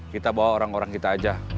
kita bawa orang orang kita aja